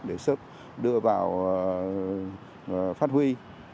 để sớm đưa vào phát huy